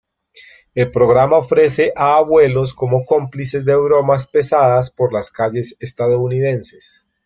El programa ofrece a abuelos como cómplices de bromas pesadas por las calles estadounidenses.